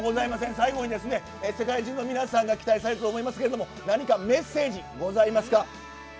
最後にですね、世界中の皆さんが期待されると思いますけれども、何かメッセージございますか？